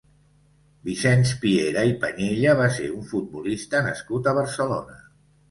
Vicenç Piera i Pañella va ser un futbolista nascut a Barcelona.